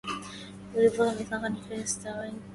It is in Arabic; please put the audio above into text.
برضاب ثغرك يستغيـث